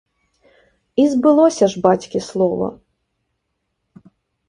І збылося ж бацькі слова!